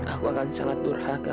aku akan sangat berharga